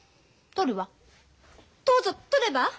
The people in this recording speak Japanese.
どうぞとれば？